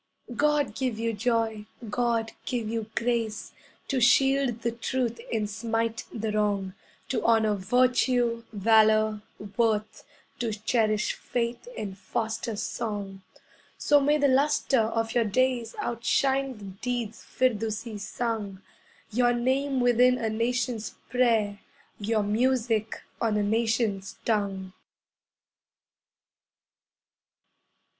God give you joy, God give you grace To shield the truth and smite the wrong, To honour Virtue, Valour, Worth. To cherish faith and foster song. So may the lustre of your days Outshine the deeds Firdusi sung, Your name within a nation's prayer, Your music on a nation's tongue.